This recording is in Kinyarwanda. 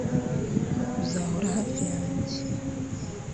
uzahora hafi yanjye